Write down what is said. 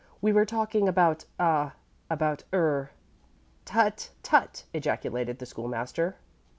We were talking about ah about er " "Tut! tut!" ejaculated the School master.